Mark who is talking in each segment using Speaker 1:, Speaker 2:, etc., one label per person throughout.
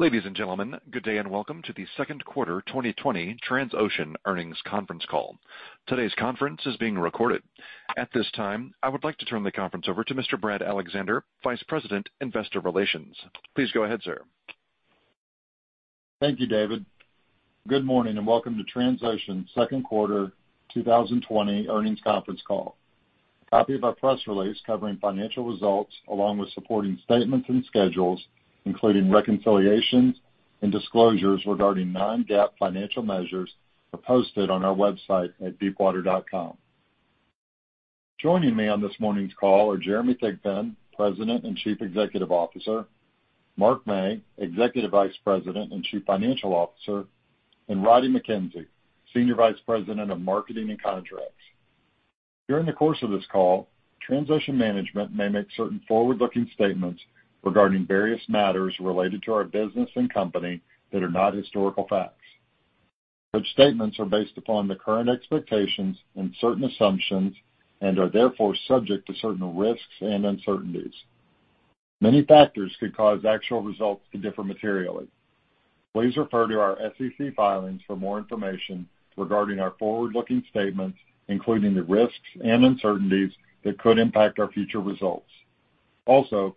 Speaker 1: Ladies and gentlemen, good day and welcome to the second quarter 2020 Transocean earnings conference call. Today's conference is being recorded. At this time, I would like to turn the conference over to Mr. Brad Alexander, Vice President, Investor Relations. Please go ahead, sir.
Speaker 2: Thank you, David. Good morning and welcome to Transocean's second quarter 2020 earnings conference call. A copy of our press release covering financial results along with supporting statements and schedules, including reconciliations and disclosures regarding non-GAAP financial measures, are posted on our website at deepwater.com. Joining me on this morning's call are Jeremy Thigpen, President and Chief Executive Officer, Mark Mey, Executive Vice President and Chief Financial Officer, and Roddie Mackenzie, Senior Vice President of Marketing and Contracts. During the course of this call, Transocean management may make certain forward-looking statements regarding various matters related to our business and company that are not historical facts. Such statements are based upon the current expectations and certain assumptions and are therefore subject to certain risks and uncertainties. Many factors could cause actual results to differ materially. Please refer to our SEC filings for more information regarding our forward-looking statements, including the risks and uncertainties that could impact our future results.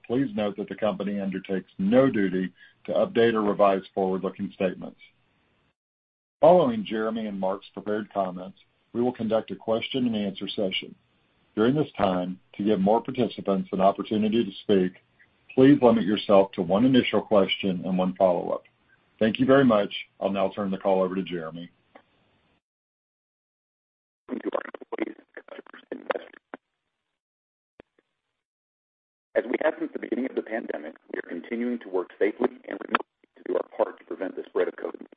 Speaker 2: Please note that the company undertakes no duty to update or revise forward-looking statements. Following Jeremy and Mark's prepared comments, we will conduct a question-and-answer session. During this time, to give more participants an opportunity to speak, please limit yourself to one initial question and one follow-up. Thank you very much. I'll now turn the call over to Jeremy.
Speaker 3: As we have since the beginning of the pandemic, we are continuing to work safely and remotely to do our part to prevent the spread of COVID-19.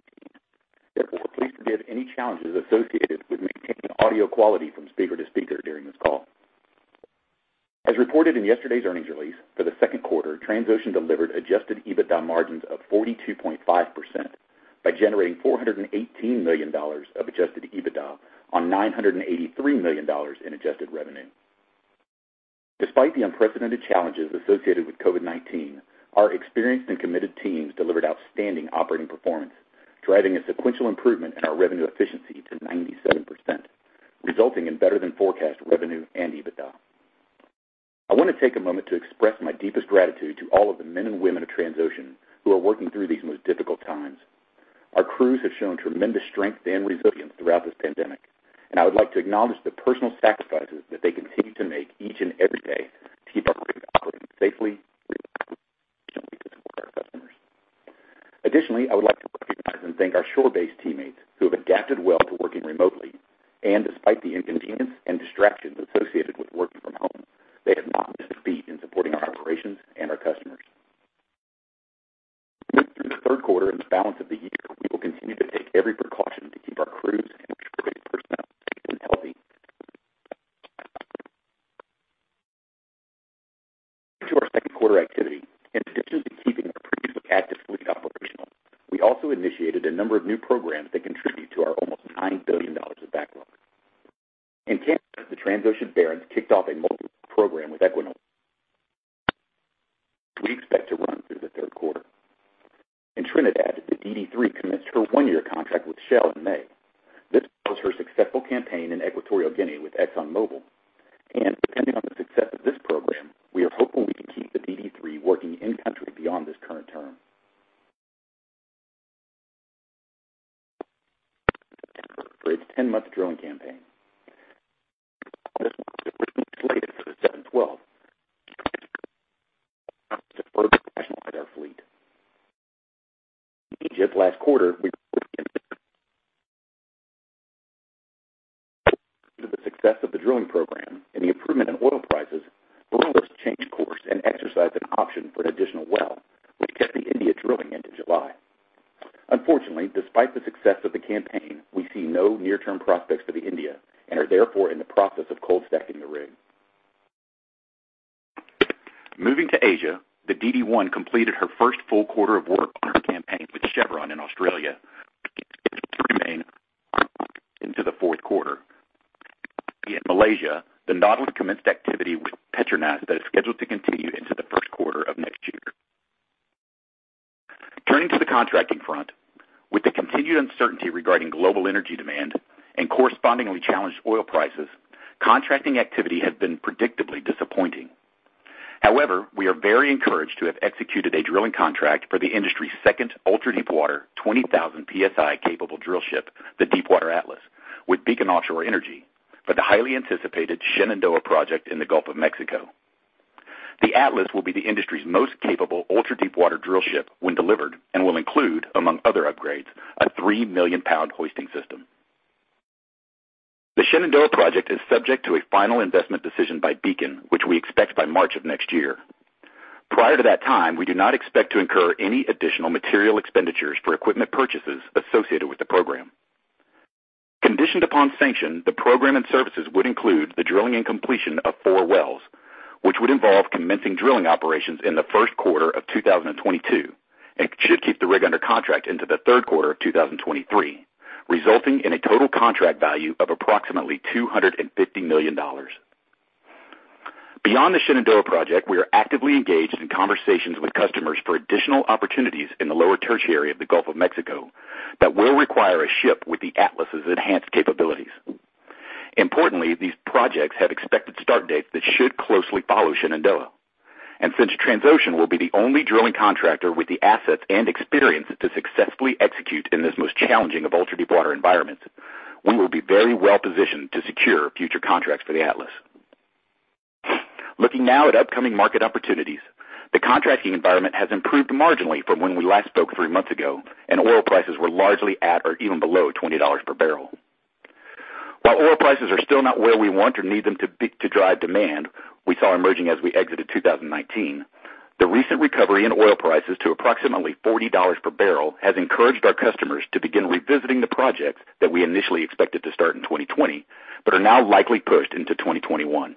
Speaker 3: Please forgive any challenges associated with maintaining audio quality from speaker to speaker during this call. As reported in yesterday's earnings release, for the second quarter, Transocean delivered adjusted EBITDA margins of 42.5% by generating $418 million of adjusted EBITDA on $983 million in adjusted revenue. Despite the unprecedented challenges associated with COVID-19, our experienced and committed teams delivered outstanding operating performance, driving a sequential improvement in our revenue efficiency to 97%, resulting in better than forecast revenue and EBITDA. I want to take a moment to express my deepest gratitude to all of the men and women of Transocean who are working through these most difficult times. Our crews have shown tremendous strength and resilience throughout this pandemic, and I would like to acknowledge the personal sacrifices that they continue to make each and every day to keep our rigs operating safely. Additionally, I would like to recognize and thank our shore-based teammates who have adapted well to working remotely, and despite the inconvenience and distractions associated with working from home, they have not missed a beat in supporting our operations and our customers. Through the third quarter and the balance of the year, we will continue to take every precaution to keep our crews and shore-based personnel safe and healthy. To our second quarter activity, in addition to keeping our previously active fleet operational, we also initiated a number of new programs that contribute to our almost $9 billion of backlog. In Canada, the Transocean Barents kicked off a multi-year program with Equinor, which we expect to run through the third quarter. In Trinidad, the DD3 commenced her one-year contract with Shell in May. This follows her successful campaign in Equatorial Guinea with ExxonMobil, Conditioned upon sanction, the program and services would include the drilling and completion of four wells, which would involve commencing drilling operations in the first quarter of 2022 and should keep the rig under contract into the third quarter of 2023, resulting in a total contract value of approximately $250 million. Beyond the Shenandoah project, we are actively engaged in conversations with customers for additional opportunities in the Lower Tertiary of the Gulf of Mexico that will require a ship with the Atlas's enhanced capabilities. Importantly, these projects have expected start dates that should closely follow Shenandoah. Since Transocean will be the only drilling contractor with the assets and experience to successfully execute in this most challenging of ultra-deepwater environments, we will be very well-positioned to secure future contracts for the Atlas. Looking now at upcoming market opportunities, the contracting environment has improved marginally from when we last spoke three months ago and oil prices were largely at or even below $20/bbl. While oil prices are still not where we want or need them to be to drive demand we saw emerging as we exited 2019, the recent recovery in oil prices to approximately $40/bbl has encouraged our customers to begin revisiting the projects that we initially expected to start in 2020, but are now likely pushed into 2021.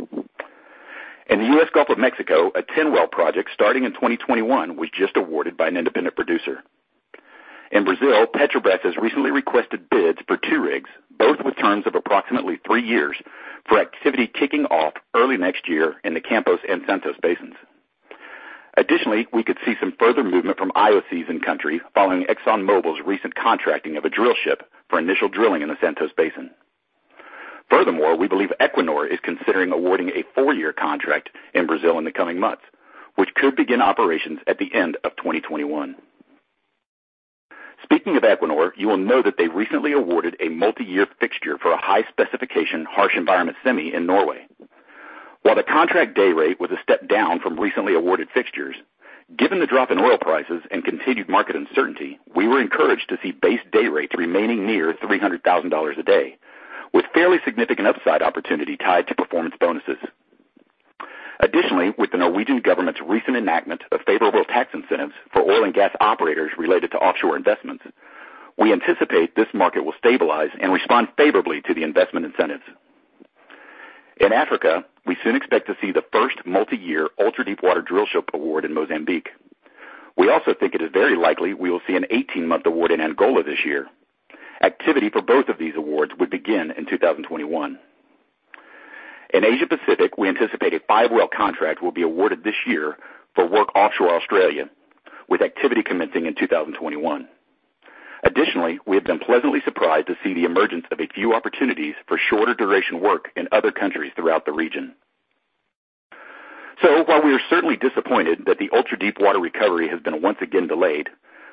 Speaker 3: In the U.S. Gulf of Mexico, a 10-well project starting in 2021 was just awarded by an independent producer. In Brazil, Petrobras has recently requested bids for two rigs, both with terms of approximately three years, for activity kicking off early next year in the Campos and Santos basins. Additionally, we could see some further movement from IOCs in country following ExxonMobil's recent contracting of a drillship for initial drilling in the Santos Basin. Furthermore, we believe Equinor is considering awarding a four-year contract in Brazil in the coming months, which could begin operations at the end of 2021. Speaking of Equinor, you will know that they recently awarded a multi-year fixture for a high-specification harsh environment semi in Norway. While the contract day rate was a step down from recently awarded fixtures, given the drop in oil prices and continued market uncertainty, we were encouraged to see base day rates remaining near $300,000 a day, with fairly significant upside opportunity tied to performance bonuses. Additionally, with the Norwegian government's recent enactment of favorable tax incentives for oil and gas operators related to offshore investments, we anticipate this market will stabilize and respond favorably to the investment incentives. In Africa, we soon expect to see the first multi-year ultra-deepwater drillship award in Mozambique. We also think it is very likely we will see an 18-month award in Angola this year. Activity for both of these awards would begin in 2021. In Asia Pacific, we anticipate a five-well contract will be awarded this year for work offshore Australia, with activity commencing in 2021. Additionally, we have been pleasantly surprised to see the emergence of a few opportunities for shorter duration work in other countries throughout the region. While we are certainly disappointed that the ultra-deepwater recovery has been once again delayed,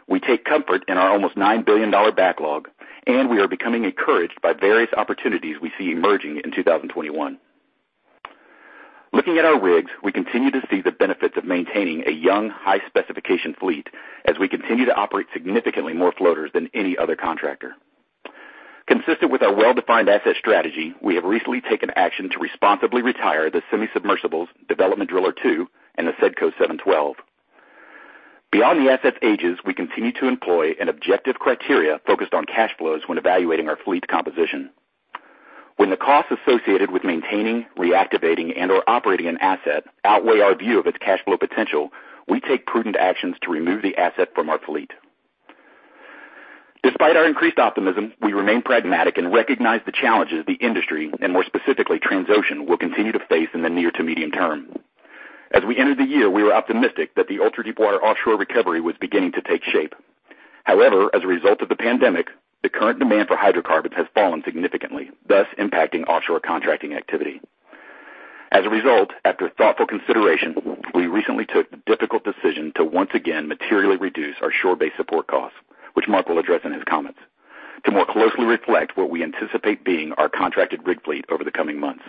Speaker 3: we take comfort in our almost $9 billion backlog, and we are becoming encouraged by various opportunities we see emerging in 2021. Looking at our rigs, we continue to see the benefits of maintaining a young, high-specification fleet as we continue to operate significantly more floaters than any other contractor. Consistent with our well-defined asset strategy, we have recently taken action to responsibly retire the semisubmersibles Development Driller II and the Sedco 712. Beyond the asset's ages, we continue to employ an objective criteria focused on cash flows when evaluating our fleet composition. When the costs associated with maintaining, reactivating, and/or operating an asset outweigh our view of its cash flow potential, we take prudent actions to remove the asset from our fleet. Despite our increased optimism, we remain pragmatic and recognize the challenges the industry, and more specifically, Transocean, will continue to face in the near to medium term. As we entered the year, we were optimistic that the ultra-deepwater offshore recovery was beginning to take shape. As a result of the pandemic, the current demand for hydrocarbons has fallen significantly, thus impacting offshore contracting activity. As a result, after thoughtful consideration, we recently took the difficult decision to once again materially reduce our shore-based support costs, which Mark will address in his comments, to more closely reflect what we anticipate being our contracted rig fleet over the coming months.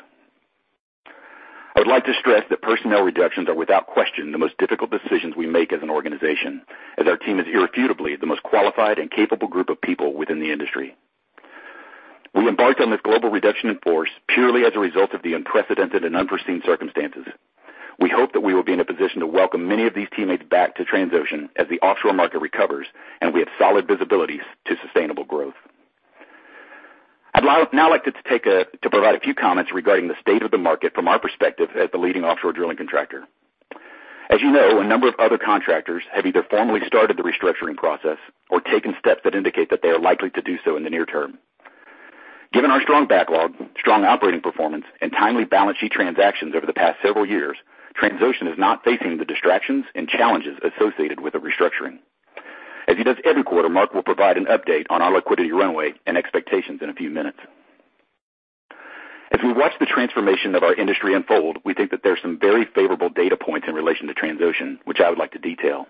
Speaker 3: I would like to stress that personnel reductions are without question the most difficult decisions we make as an organization, as our team is irrefutably the most qualified and capable group of people within the industry. We embarked on this global reduction in force purely as a result of the unprecedented and unforeseen circumstances. We hope that we will be in a position to welcome many of these teammates back to Transocean as the offshore market recovers and we have solid visibilities to sustainable growth. I'd now like to provide a few comments regarding the state of the market from our perspective as the leading offshore drilling contractor. As you know, a number of other contractors have either formally started the restructuring process or taken steps that indicate that they are likely to do so in the near term. Given our strong backlog, strong operating performance, and timely balance sheet transactions over the past several years, Transocean is not facing the distractions and challenges associated with a restructuring. As he does every quarter, Mark will provide an update on our liquidity runway and expectations in a few minutes. As we watch the transformation of our industry unfold, we think that there's some very favorable data points in relation to Transocean, which I would like to detail.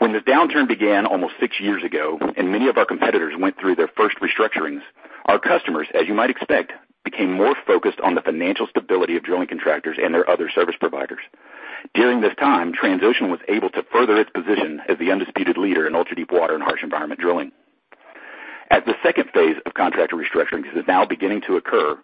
Speaker 3: When the downturn began almost six years ago and many of our competitors went through their first restructurings, our customers, as you might expect, became more focused on the financial stability of drilling contractors and their other service providers. During this time, Transocean was able to further its position as the undisputed leader in ultra-deepwater and harsh environment drilling. The second phase of contractor restructurings is now beginning to occur,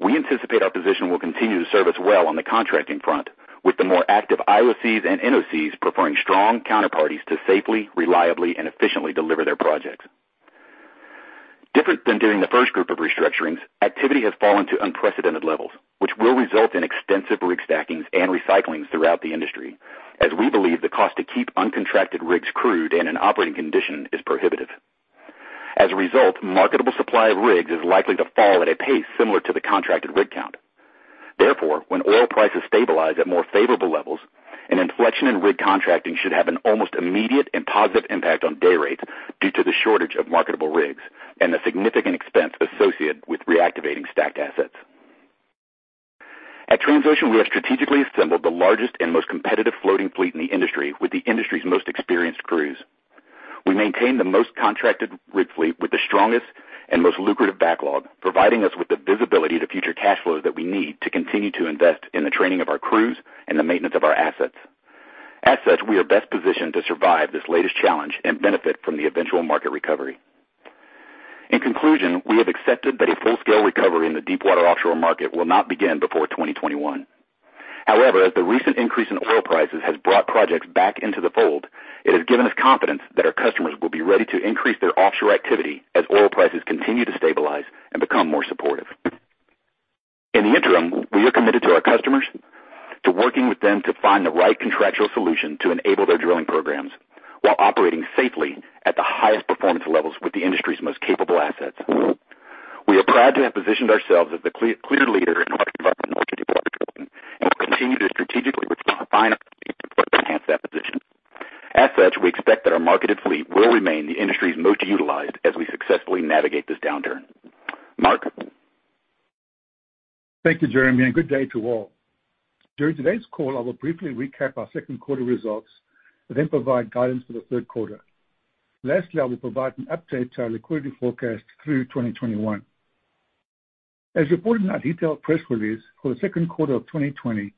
Speaker 3: we anticipate our position will continue to serve us well on the contracting front, with the more active IOCs and NOCs preferring strong counterparties to safely, reliably, and efficiently deliver their projects. Different than during the first group of restructurings, activity has fallen to unprecedented levels, which will result in extensive rig stackings and recyclings throughout the industry, as we believe the cost to keep uncontracted rigs crewed and in operating condition is prohibitive. As a result, marketable supply of rigs is likely to fall at a pace similar to the contracted rig count. Therefore, when oil prices stabilize at more favorable levels, an inflection in rig contracting should have an almost immediate and positive impact on day rates due to the shortage of marketable rigs and the significant expense associated with reactivating stacked assets. At Transocean, we have strategically assembled the largest and most competitive floating fleet in the industry with the industry's most experienced crews. We maintain the most contracted rig fleet with the strongest and most lucrative backlog, providing us with the visibility to future cash flows that we need to continue to invest in the training of our crews and the maintenance of our assets. As such, we are best positioned to survive this latest challenge and benefit from the eventual market recovery. In conclusion, we have accepted that a full-scale recovery in the deepwater offshore market will not begin before 2021. As the recent increase in oil prices has brought projects back into the fold, it has given us confidence that our customers will be ready to increase their offshore activity as oil prices continue to stabilize and become more supportive. In the interim, we are committed to our customers, to working with them to find the right contractual solution to enable their drilling programs while operating safely at the highest performance levels with the industry's most capable assets. We are proud to have positioned ourselves as the clear leader in ultra-deepwater and will continue to strategically refine our fleet to further enhance that position. As such, we expect that our marketed fleet will remain the industry's most utilized as we successfully navigate this downturn. Mark?
Speaker 4: Thank you, Jeremy, and good day to all. During today's call, I will briefly recap our second quarter results and then provide guidance for the third quarter. Lastly, I will provide an update to our liquidity forecast through 2021. As reported in our detailed press release for the second quarter of 2020,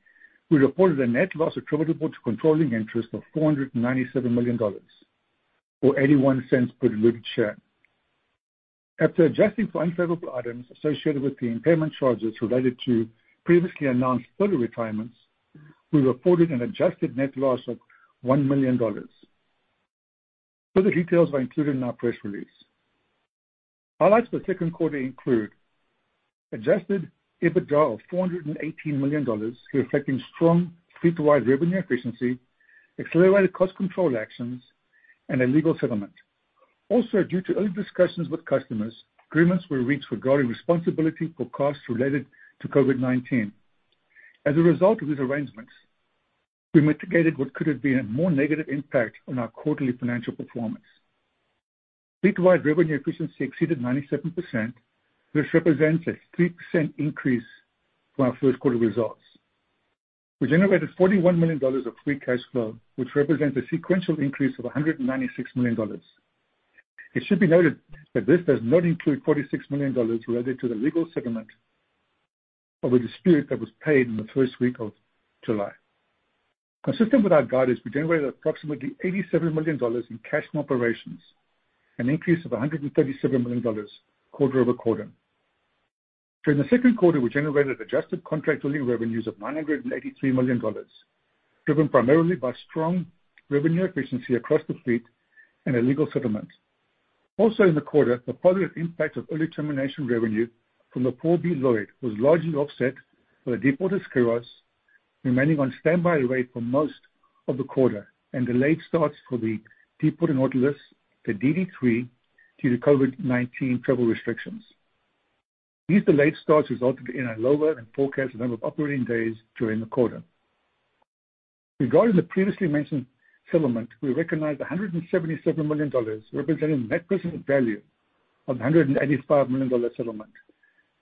Speaker 4: we reported a net loss attributable to controlling interest of $497 million, or $0.81 per diluted share. After adjusting for unfavorable items associated with the impairment charges related to previously announced fleet retirements, we reported an adjusted net loss of $1 million. Further details are included in our press release. Highlights for the second quarter include adjusted EBITDA of $418 million, reflecting strong fleet-wide revenue efficiency, accelerated cost control actions, and a legal settlement. Also, due to early discussions with customers, agreements were reached regarding responsibility for costs related to COVID-19. As a result of these arrangements, we mitigated what could have been a more negative impact on our quarterly financial performance. Fleet-wide revenue efficiency exceeded 97%, which represents a 3% increase from our first quarter results. We generated $41 million of free cash flow, which represents a sequential increase of $196 million. It should be noted that this does not include $46 million related to the legal settlement of a dispute that was paid in the first week of July. Consistent with our guidance, we generated approximately $87 million in cash from operations, an increase of $137 million quarter-over-quarter. During the second quarter, we generated adjusted contract drilling revenues of $983 million, driven primarily by strong revenue efficiency across the fleet and a legal settlement. Also in the quarter, the positive impact of early termination revenue from the Paul B. Loyd was largely offset by the Deepwater Skyros remaining on standby rate for most of the quarter and delayed starts for the Deepwater Nautilus, the DD3, due to COVID-19 travel restrictions. These delayed starts resulted in a lower-than-forecast number of operating days during the quarter. Regarding the previously mentioned settlement, we recognized $177 million, representing the net present value of $185 million settlement,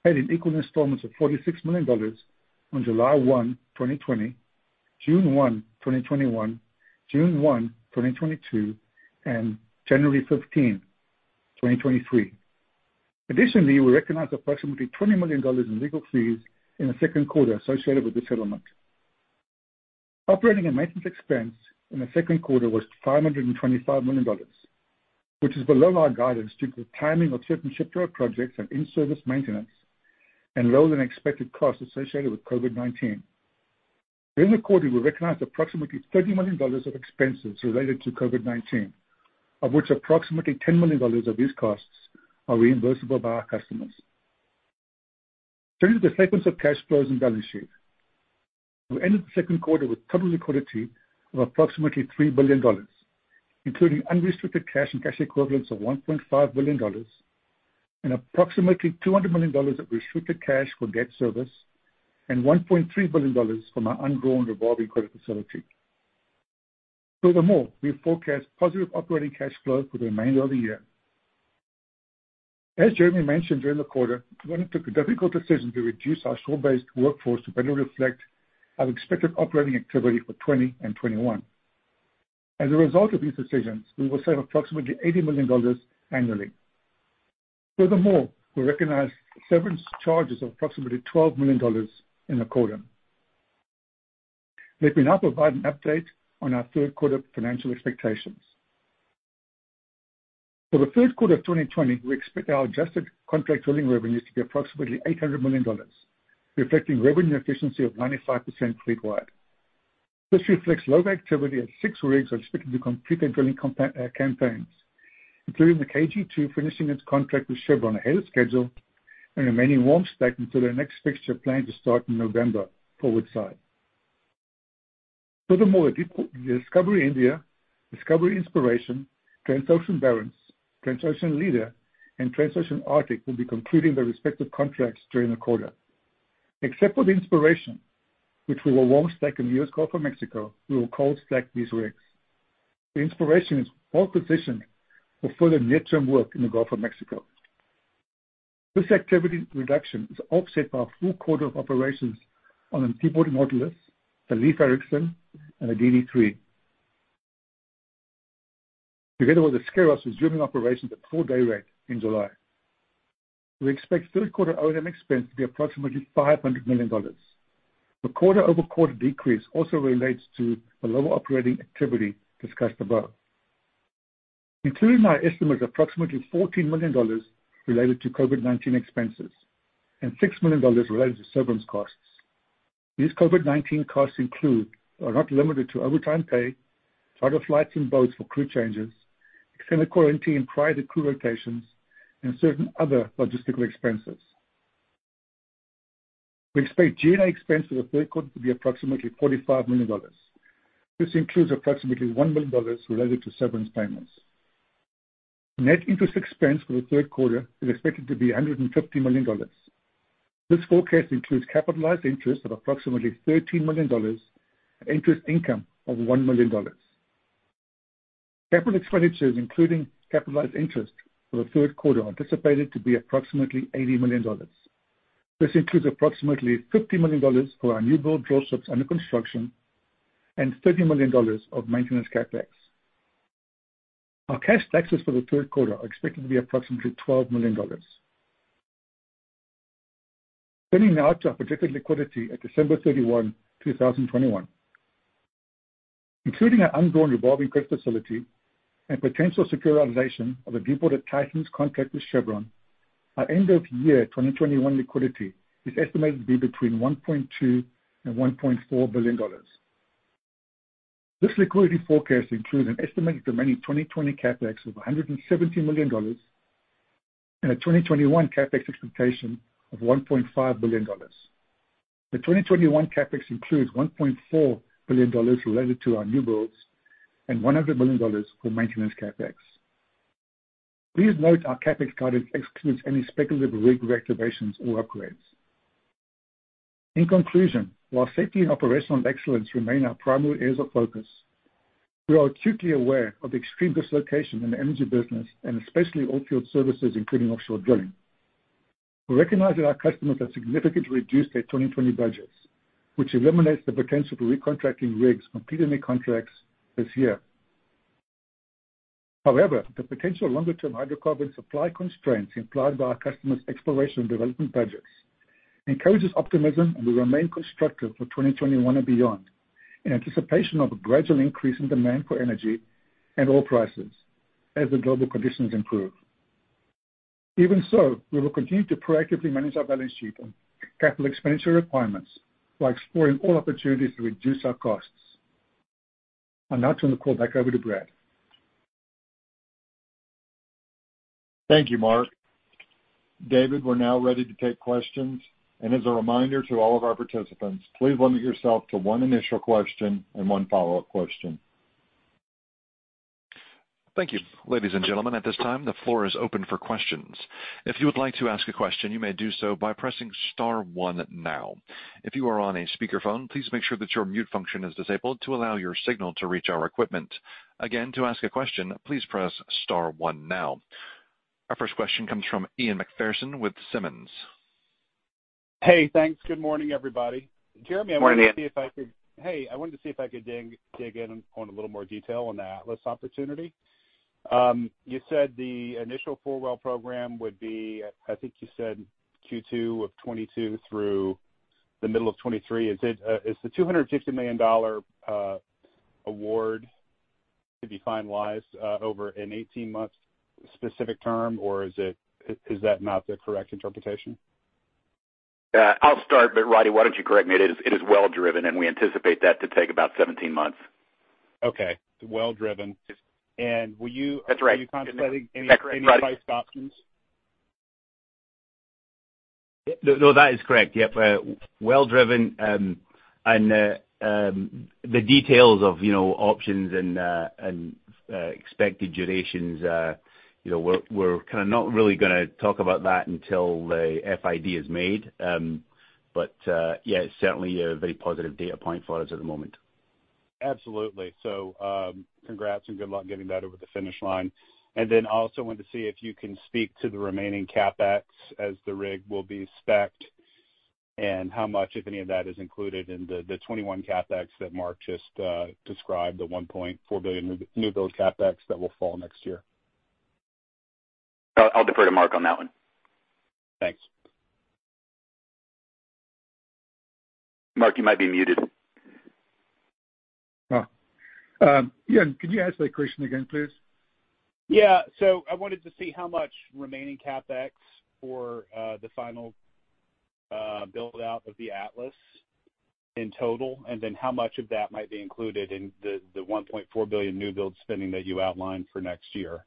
Speaker 4: paid in equal installments of $46 million on July 1, 2020, June 1, 2021, June 1, 2022, and January 15, 2023. Additionally, we recognized approximately $20 million in legal fees in the second quarter associated with the settlement. Operating and maintenance expense in the second quarter was $525 million, which is below our guidance due to the timing of certain shipyard projects and in-service maintenance and lower-than-expected costs associated with COVID-19. During the quarter, we recognized approximately $30 million of expenses related to COVID-19, of which approximately $10 million of these costs are reimbursable by our customers. Turning to the statements of cash flows and balance sheet. We ended the second quarter with total liquidity of approximately $3 billion, including unrestricted cash and cash equivalents of $1.5 billion and approximately $200 million of restricted cash for debt service and $1.3 billion from our undrawn revolving credit facility. Furthermore, we forecast positive operating cash flow for the remainder of the year. As Jeremy mentioned during the quarter, we took a difficult decision to reduce our shore-based workforce to better reflect our expected operating activity for 2020 and 2021. As a result of these decisions, we will save approximately $80 million annually. We recognized severance charges of approximately $12 million in the quarter. Let me now provide an update on our third quarter financial expectations. For the third quarter of 2020, we expect our adjusted contract drilling revenues to be approximately $800 million, reflecting revenue efficiency of 95% fleet-wide. This reflects lower activity as six rigs are expected to complete their drilling campaigns, including the KG2 finishing its contract with Chevron ahead of schedule and remaining warm stacked until their next fixture planned to start in November for Woodside. The Discoverer India, Discoverer Inspiration, Transocean Barents, Transocean Leader, and Transocean Arctic will be concluding their respective contracts during the quarter. Except for the Inspiration, which we will warm stack in the U.S. Gulf of Mexico, we will cold stack these rigs. The Inspiration is well-positioned for further near-term work in the Gulf of Mexico. This activity reduction is offset by a full quarter of operations on the Deepwater Nautilus, the Leiv Eiriksson, and the DD3, together with the Skyros resuming operations at full day rate in July. We expect third quarter O&M expense to be approximately $500 million. The quarter-over-quarter decrease also relates to the lower operating activity discussed above. Including our estimate of approximately $14 million related to COVID-19 expenses and $6 million related to severance costs. These COVID-19 costs include, but are not limited to, overtime pay, charter flights and boats for crew changes, extended quarantine in prior crew locations, and certain other logistical expenses. We expect G&A expense for the third quarter to be approximately $45 million. This includes approximately $1 million related to severance payments. Net interest expense for the third quarter is expected to be $150 million. This forecast includes capitalized interest of approximately $13 million and interest income of $1 million. Capital expenditures, including capitalized interest for the third quarter, are anticipated to be approximately $80 million. This includes approximately $50 million for our newbuild drill ships under construction and $30 million of maintenance CapEx. Our cash taxes for the third quarter are expected to be approximately $12 million. Turning now to our projected liquidity at December 31, 2021. Including our undrawn revolving credit facility and potential securitization of the Deepwater Titan's contract with Chevron, our end-of-year 2021 liquidity is estimated to be between $1.2 billion and $1.4 billion. This liquidity forecast includes an estimated remaining 2020 CapEx of $170 million and a 2021 CapEx expectation of $1.5 billion. The 2021 CapEx includes $1.4 billion related to our newbuilds and $100 million for maintenance CapEx. Please note our CapEx guidance excludes any speculative rig reactivations or upgrades. In conclusion, while safety and operational excellence remain our primary areas of focus, we are acutely aware of the extreme dislocation in the energy business and especially oilfield services, including offshore drilling. We recognize that our customers have significantly reduced their 2020 budgets, which eliminates the potential for recontracting rigs completing their contracts this year. However, the potential longer-term hydrocarbon supply constraints implied by our customers' exploration and development budgets encourages optimism, and we remain constructive for 2021 and beyond in anticipation of a gradual increase in demand for energy and oil prices as the global conditions improve. Even so, we will continue to proactively manage our balance sheet and capital expenditure requirements while exploring all opportunities to reduce our costs. I'll now turn the call back over to Brad.
Speaker 2: Thank you, Mark. David, we're now ready to take questions. As a reminder to all of our participants, please limit yourself to one initial question and one follow-up question.
Speaker 1: Thank you. Ladies and gentlemen, at this time, the floor is open for questions. If you would like to ask a question, you may do so by pressing star one now. If you are on a speakerphone, please make sure that your mute function is disabled to allow your signal to reach our equipment. Again, to ask a question, please press star one now. Our first question comes from Ian Macpherson with Simmons.
Speaker 5: Hey, thanks. Good morning, everybody.
Speaker 3: Morning, Ian.
Speaker 5: Jeremy, I wanted to see if I could dig in on a little more detail on the Atlas opportunity. You said the initial four-well program would be, I think you said Q2 of 2022 through the middle of 2023. Is the $250 million award to be finalized over an 18-month specific term, or is that not the correct interpretation?
Speaker 3: I'll start, but Roddie, why don't you correct me. It is well-driven, and we anticipate that to take about 17 months.
Speaker 5: Okay. Well-driven.
Speaker 3: That's right.
Speaker 5: Will you be contemplating any price options?
Speaker 6: No, that is correct. Yeah, well-driven. The details of options and expected durations, we're kind of not really going to talk about that until the FID is made. Yeah, it's certainly a very positive data point for us at the moment.
Speaker 5: Absolutely. Congrats and good luck getting that over the finish line. I also wanted to see if you can speak to the remaining CapEx as the rig will be specced and how much, if any, of that is included in the 2021 CapEx that Mark just described, the $1.4 billion newbuild CapEx that will fall next year.
Speaker 3: I'll defer to Mark on that one.
Speaker 5: Thanks.
Speaker 3: Mark, you might be muted.
Speaker 4: Oh. Ian, could you ask that question again, please?
Speaker 5: Yeah. I wanted to see how much remaining CapEx for the final build-out of the Atlas in total, and then how much of that might be included in the $1.4 billion newbuild spending that you outlined for next year.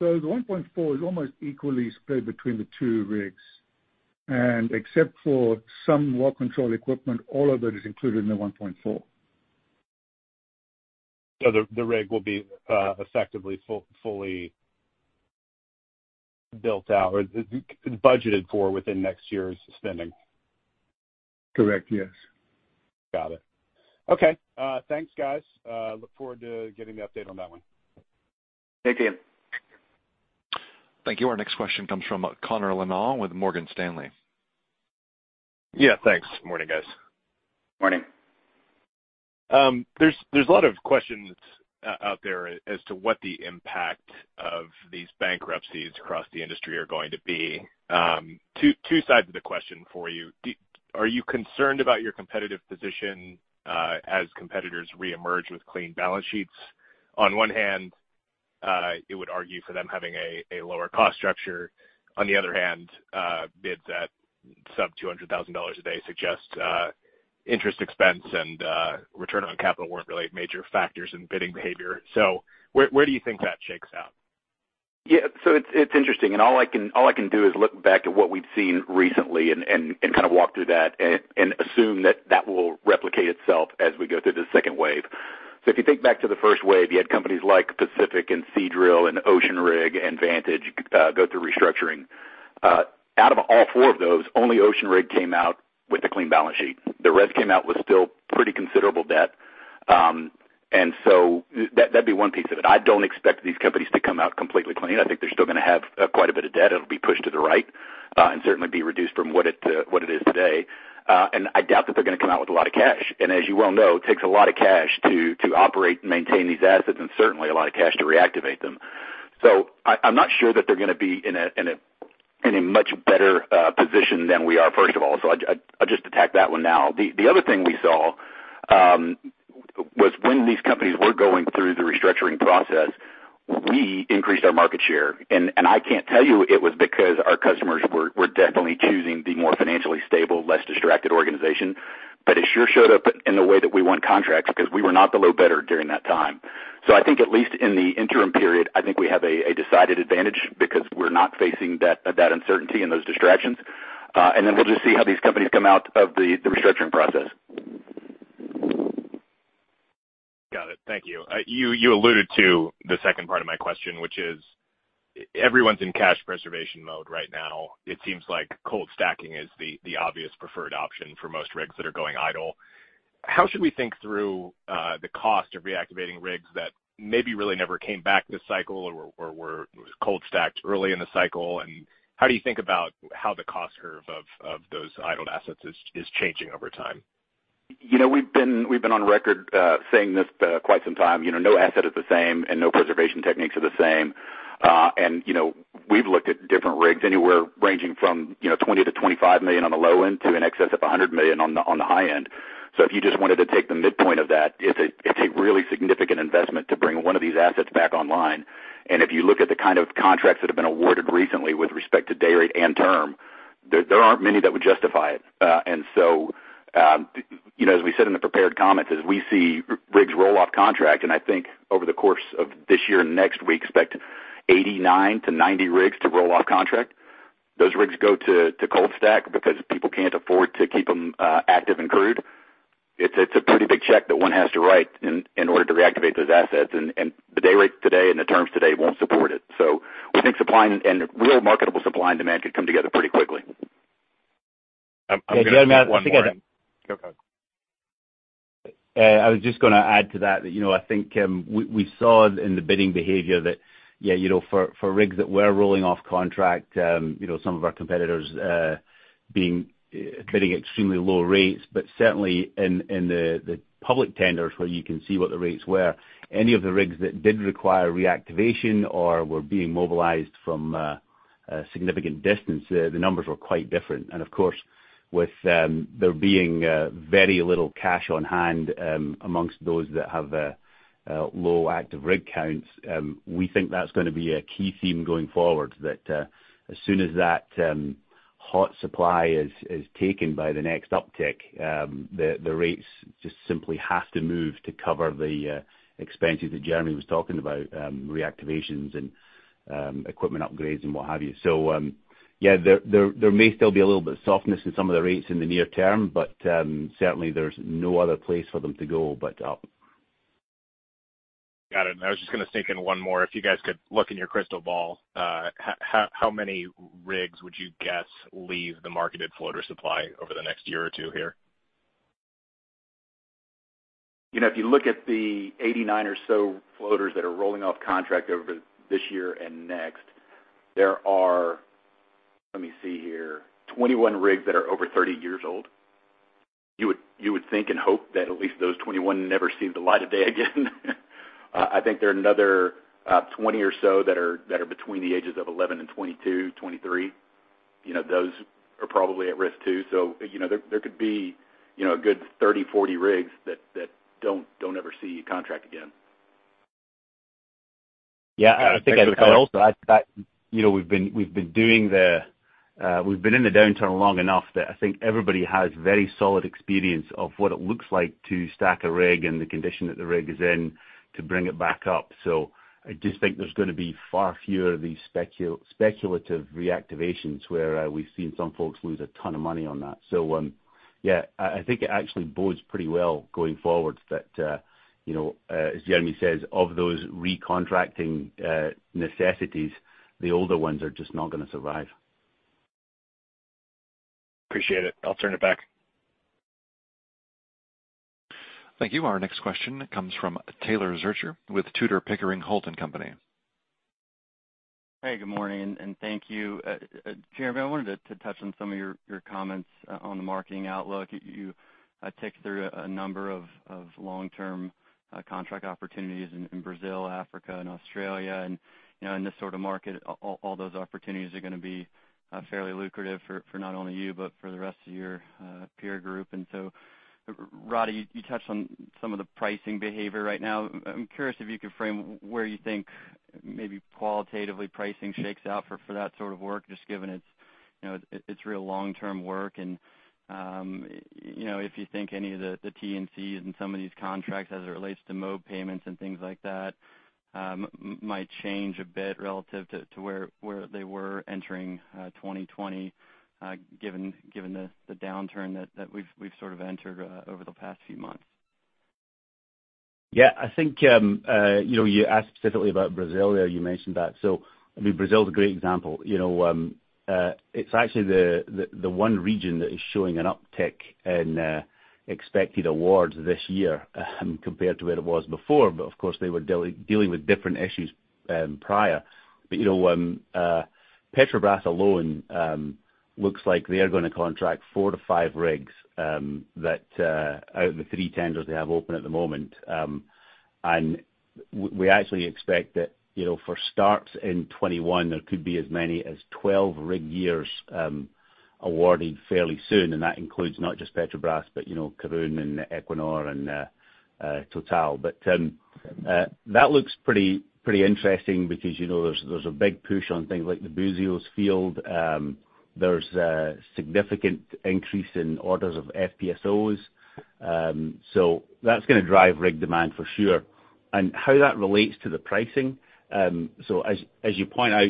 Speaker 4: The $1.4 billion is almost equally spread between the two rigs, and except for some well control equipment, all of it is included in the $1.4 billion.
Speaker 5: The rig will be effectively fully built out or budgeted for within next year's spending?
Speaker 4: Correct. Yes.
Speaker 5: Got it. Okay. Thanks, guys. Look forward to getting the update on that one.
Speaker 3: Thanks, Ian.
Speaker 1: Thank you. Our next question comes from Connor Lynagh with Morgan Stanley.
Speaker 7: Yeah, thanks. Morning, guys.
Speaker 3: Morning.
Speaker 7: There's a lot of questions out there as to what the impact of these bankruptcies across the industry are going to be. Two sides of the question for you. Are you concerned about your competitive position, as competitors reemerge with clean balance sheets? On one hand, it would argue for them having a lower cost structure. On the other hand, bids at sub $200,000 a day suggest, interest expense and, return on capital weren't really major factors in bidding behavior. Where do you think that shakes out?
Speaker 3: Yeah, it's interesting. All I can do is look back at what we've seen recently and walk through that and assume that that will replicate itself as we go through the second wave. If you think back to the first wave, you had companies like Pacific and Seadrill and Ocean Rig and Vantage, go through restructuring. Out of all four of those, only Ocean Rig came out with a clean balance sheet. The rest came out with still pretty considerable debt. That'd be one piece of it. I don't expect these companies to come out completely clean. I think they're still gonna have quite a bit of debt. It'll be pushed to the right, and certainly be reduced from what it is today. I doubt that they're gonna come out with a lot of cash. As you well know, it takes a lot of cash to operate and maintain these assets and certainly a lot of cash to reactivate them. I'm not sure that they're gonna be in a much better position than we are, first of all. I'll just attack that one now. The other thing we saw was when these companies were going through the restructuring process, we increased our market share. I can't tell you it was because our customers were definitely choosing the more financially stable, less distracted organization, but it sure showed up in the way that we won contracts because we were not the low bidder during that time. I think at least in the interim period, I think we have a decided advantage because we're not facing that uncertainty and those distractions. We'll just see how these companies come out of the restructuring process.
Speaker 7: Got it. Thank you. You alluded to the second part of my question, which is, everyone's in cash preservation mode right now. It seems like cold stacking is the obvious preferred option for most rigs that are going idle. How should we think through the cost of reactivating rigs that maybe really never came back this cycle or were cold stacked early in the cycle? How do you think about how the cost curve of those idled assets is changing over time?
Speaker 3: We've been on record saying this quite some time. No asset is the same, and no preservation techniques are the same. We've looked at different rigs anywhere ranging from $20 million-$25 million on the low end to in excess of $100 million on the high end. If you just wanted to take the midpoint of that, it's a really significant investment to bring one of these assets back online. If you look at the kind of contracts that have been awarded recently with respect to day rate and term, there aren't many that would justify it. As we said in the prepared comments, as we see rigs roll off contract, and I think over the course of this year and next, we expect 89-90 rigs to roll off contract. Those rigs go to cold stack because people can't afford to keep them active and crewed. It's a pretty big check that one has to write in order to reactivate those assets. The day rates today and the terms today won't support it. We think real marketable supply and demand could come together pretty quickly.
Speaker 7: I'm gonna-
Speaker 6: I was thinking.
Speaker 7: Go ahead.
Speaker 6: I was just gonna add to that, I think we saw in the bidding behavior that for rigs that were rolling off contract, some of our competitors bidding extremely low rates, but certainly in the public tenders where you can see what the rates were, any of the rigs that did require reactivation or were being mobilized from a significant distance, the numbers were quite different. Of course, with there being very little cash on hand amongst those that have low active rig counts, we think that's gonna be a key theme going forward, that as soon as that hot supply is taken by the next uptick, the rates just simply have to move to cover the expenses that Jeremy was talking about, reactivations and equipment upgrades and what have you. There may still be a little bit of softness in some of the rates in the near term, but, certainly there's no other place for them to go but up.
Speaker 7: Got it. I was just gonna sneak in one more. If you guys could look in your crystal ball, how many rigs would you guess leave the marketed floater supply over the next year or two here?
Speaker 3: If you look at the 89 or so floaters that are rolling off contract over this year and next, there are, let me see here, 21 rigs that are over 30 years old. You would think and hope that at least those 21 never see the light of day again. I think there are another 20 or so that are between the ages of 11 and 22, 23. Those are probably at risk too. There could be a good 30, 40 rigs that don't ever see a contract again.
Speaker 6: Yeah, I think I'd add also, we've been in the downturn long enough that I think everybody has very solid experience of what it looks like to stack a rig and the condition that the rig is in to bring it back up. I just think there's going to be far fewer of these speculative reactivations, where we've seen some folks lose a ton of money on that. Yeah, I think it actually bodes pretty well going forward that, as Jeremy says, of those recontracting necessities, the older ones are just not going to survive.
Speaker 7: Appreciate it. I'll turn it back.
Speaker 1: Thank you. Our next question comes from Taylor Zurcher with Tudor, Pickering, Holt & Co.
Speaker 8: Hey, good morning, and thank you. Jeremy, I wanted to touch on some of your comments on the marketing outlook. You ticked through a number of long-term contract opportunities in Brazil, Africa, and Australia, in this sort of market, all those opportunities are going to be fairly lucrative for not only you but for the rest of your peer group. Roddie, you touched on some of the pricing behavior right now. I'm curious if you could frame where you think maybe qualitatively pricing shakes out for that sort of work, just given it's real long-term work, if you think any of the T&Cs in some of these contracts as it relates to [mode] payments and things like that might change a bit relative to where they were entering 2020, given the downturn that we've sort of entered over the past few months.
Speaker 6: Yeah. I think, you asked specifically about Brazil there, you mentioned that. Brazil is a great example. It's actually the one region that is showing an uptick in expected awards this year compared to where it was before. Of course, they were dealing with different issues prior. Petrobras alone looks like they are going to contract four to five rigs that are out in the three tenders they have open at the moment. We actually expect that for starts in 2021, there could be as many as 12 rig years awarded fairly soon. That includes not just Petrobras, but Karoon and Equinor and Total. That looks pretty interesting because there's a big push on things like the Búzios field. There's a significant increase in orders of FPSOs. That's going to drive rig demand for sure. How that relates to the pricing, as you point out,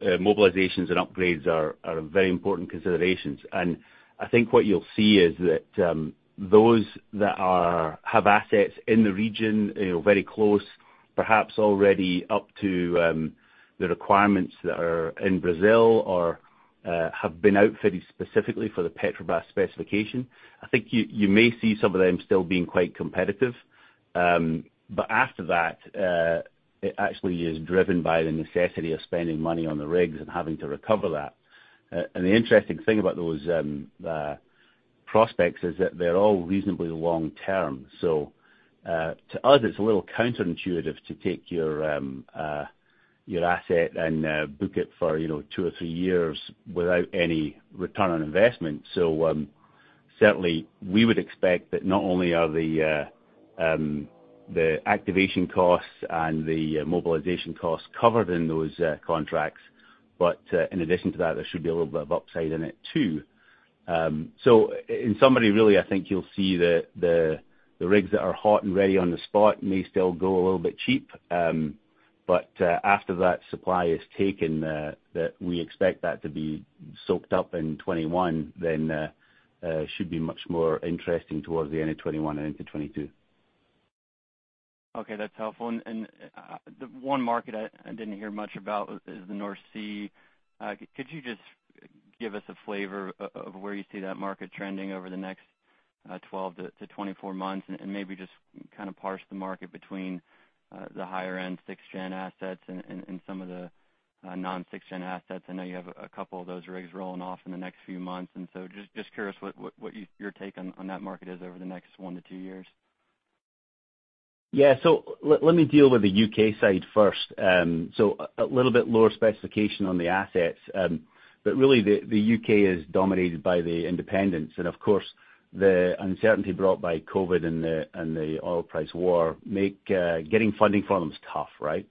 Speaker 6: mobilizations and upgrades are very important considerations. I think what you'll see is that those that have assets in the region, very close, perhaps already up to the requirements that are in Brazil or have been outfitted specifically for the Petrobras specification, I think you may see some of them still being quite competitive. After that, it actually is driven by the necessity of spending money on the rigs and having to recover that. The interesting thing about those prospects is that they're all reasonably long-term. To us, it's a little counterintuitive to take your asset and book it for two or three years without any return on investment. Certainly, we would expect that not only are the activation costs and the mobilization costs covered in those contracts, but in addition to that, there should be a little bit of upside in it, too. In summary, really, I think you'll see the rigs that are hot and ready on the spot may still go a little bit cheap. After that supply is taken, we expect that to be soaked up in 2021, then should be much more interesting towards the end of 2021 and into 2022.
Speaker 8: Okay. That's helpful. The one market I didn't hear much about is the North Sea. Could you just give us a flavor of where you see that market trending over the next 12-24 months and maybe just kind of parse the market between the higher-end 6th-gen assets and some of the non-6th-gen assets? I know you have a couple of those rigs rolling off in the next few months. Just curious what your take on that market is over the next one to two years.
Speaker 6: Yeah. Let me deal with the U.K. side first. A little bit lower specification on the assets. Really, the U.K. is dominated by the independents, and of course, the uncertainty brought by COVID and the oil price war make getting funding for them is tough, right?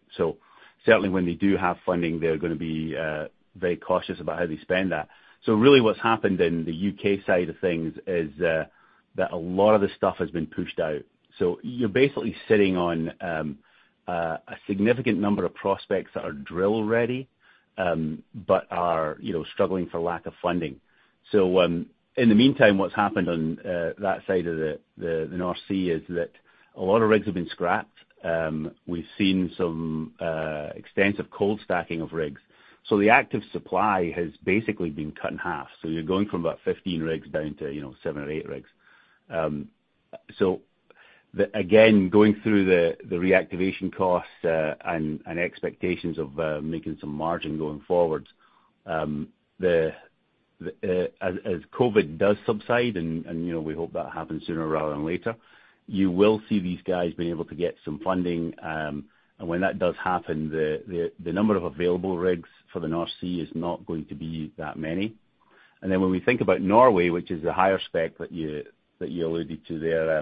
Speaker 6: Certainly, when they do have funding, they're going to be very cautious about how they spend that. Really what's happened in the U.K. side of things is that a lot of the stuff has been pushed out. You're basically sitting on a significant number of prospects that are drill ready, but are struggling for lack of funding. In the meantime, what's happened on that side of the North Sea is that a lot of rigs have been scrapped. We've seen some extensive cold stacking of rigs. The active supply has basically been cut in half. You're going from about 15 rigs down to seven or eight rigs. Again, going through the reactivation cost, and expectations of making some margin going forward, as COVID does subside, we hope that happens sooner rather than later, you will see these guys being able to get some funding. When that does happen, the number of available rigs for the North Sea is not going to be that many. When we think about Norway, which is the higher spec that you alluded to there.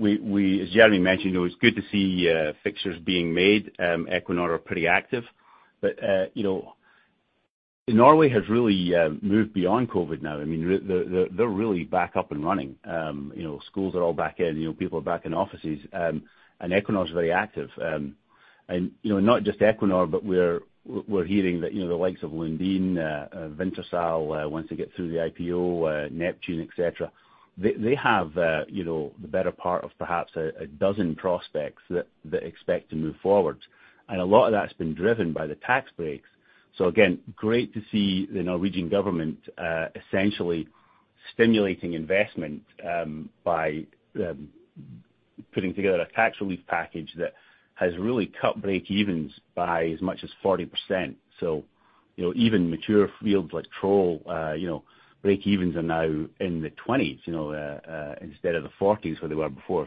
Speaker 6: As Jeremy mentioned, it's good to see fixtures being made. Equinor are pretty active. Norway has really moved beyond COVID now. They're really back up and running. Schools are all back in, people are back in offices, and Equinor is very active. Not just Equinor, but we're hearing that the likes of Lundin, Wintershall, once they get through the IPO, Neptune, et cetera, they have the better part of perhaps a dozen prospects that expect to move forward. A lot of that's been driven by the tax breaks. Again, great to see the Norwegian government essentially stimulating investment by putting together a tax relief package that has really cut breakevens by as much as 40%. Even mature fields like Troll, breakevens are now in the 20%s, instead of the 40%s, where they were before.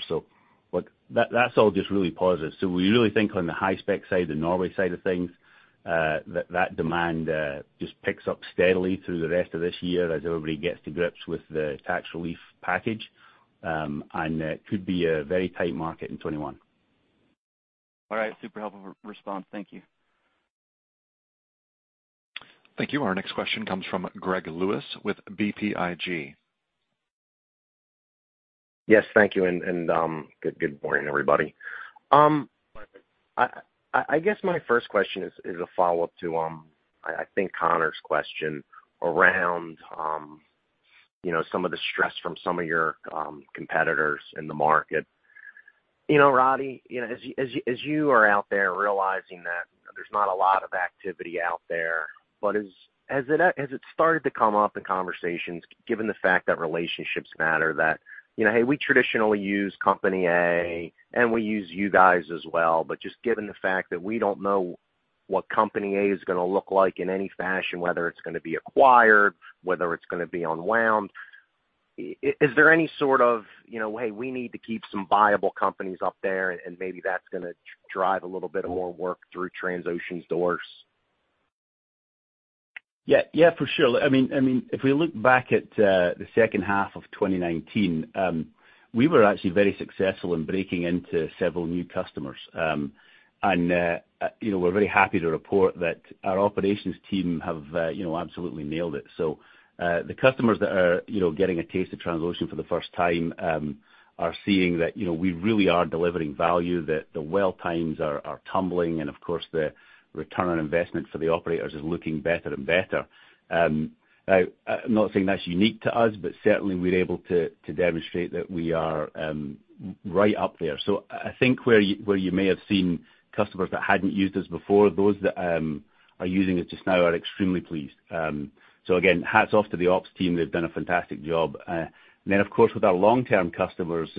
Speaker 6: That's all just really positive. We really think on the high spec side, the Norway side of things, that demand just picks up steadily through the rest of this year as everybody gets to grips with the tax relief package. It could be a very tight market in 2021.
Speaker 8: All right. Super helpful response. Thank you.
Speaker 1: Thank you. Our next question comes from Greg Lewis with BTIG.
Speaker 9: Yes, thank you. Good morning, everybody. I guess my first question is a follow-up to, I think Connor's question around some of the stress from some of your competitors in the market. Roddie, as you are out there realizing that there's not a lot of activity out there, but has it started to come up in conversations, given the fact that relationships matter, that, "Hey, we traditionally use company A, and we use you guys as well, but just given the fact that we don't know what company A is going to look like in any fashion, whether it's going to be acquired, whether it's going to be unwound," is there any sort of, "Hey, we need to keep some viable companies up there," and maybe that's going to drive a little bit more work through Transocean's doors?
Speaker 6: Yeah, for sure. If we look back at the second half of 2019, we were actually very successful in breaking into several new customers. We're very happy to report that our operations team have absolutely nailed it. The customers that are getting a taste of Transocean for the first time are seeing that we really are delivering value, that the well times are tumbling, and of course, the return on investment for the operators is looking better and better. I'm not saying that's unique to us, certainly, we're able to demonstrate that we are right up there. I think where you may have seen customers that hadn't used us before, those that are using us just now are extremely pleased. Again, hats off to the ops team. They've done a fantastic job. Of course, with our long-term customers,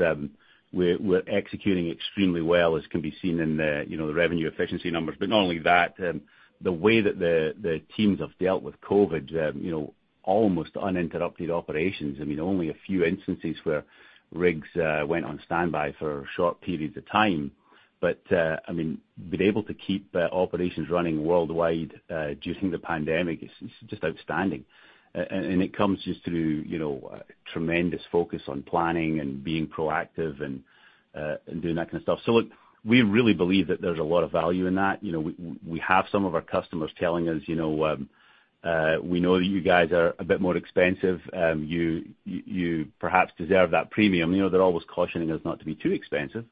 Speaker 6: we're executing extremely well, as can be seen in the revenue efficiency numbers. Not only that, the way that the teams have dealt with COVID, almost uninterrupted operations. Only a few instances where rigs went on standby for short periods of time. Being able to keep operations running worldwide during the pandemic is just outstanding, and it comes just through tremendous focus on planning and being proactive and doing that kind of stuff. We really believe that there's a lot of value in that. We have some of our customers telling us, "We know that you guys are a bit more expensive. You perhaps deserve that premium." They're always cautioning us not to be too expensive.